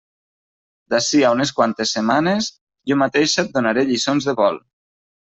D'ací a unes quantes setmanes jo mateixa et donaré lliçons de vol.